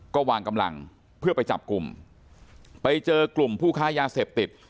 ก็วางกำลังเพื่อไปจับกลุ่มไปเจอกลุ่มผู้ค้ายาเสพติด